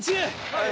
はい！